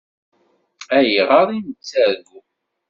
Ayɣer ay nettargu?